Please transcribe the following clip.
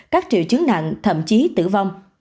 các triệu chứng nặng thậm chí tử vong